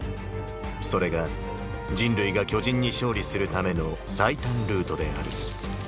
それが人類が巨人に勝利するための最短ルートである。